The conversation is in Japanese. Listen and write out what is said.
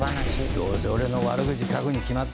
どうせ俺の悪口かくに決まってる。